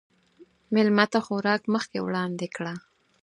مېلمه ته خوراک مخکې وړاندې کړه.